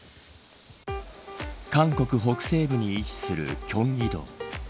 韓国、北西部に位置する京畿道。